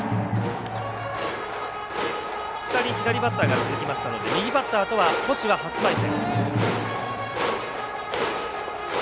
２人左バッターが続きましたので右バッターとは星は初対戦。